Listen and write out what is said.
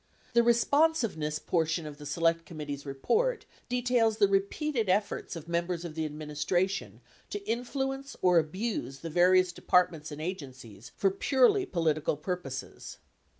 The Responsiveness por tion of the Select Committee's report details the repeated efforts of members of the administration to influence or abuse the various de partments and agencies for purely political purposes.